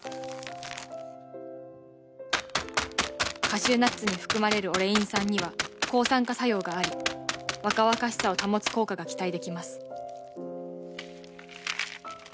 「カシューナッツに含まれるオレイン酸には抗酸化作用があり若々しさを保つ効果が期待できます」